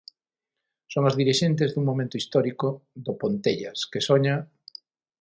Son as dirixentes dun momento histórico do Pontellas que soña...